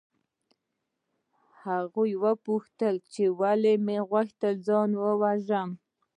هغوی پوښتل چې ولې مې غوښتل ځان ووژنم